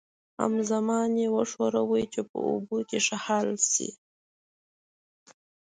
همزمان یې وښورئ چې په اوبو کې ښه حل شي.